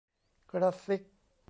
กระซิก